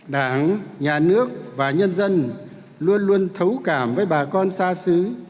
đảng nhà nước và nhân dân luôn luôn thấu cảm với bà con xa xứ